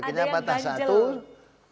katanya ada yang ganjel